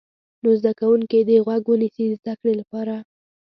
نور زده کوونکي دې غوږ ونیسي د زده کړې لپاره.